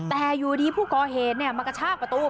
แต่อยู่ดีผู้ก่อเหตุมากระชากประตู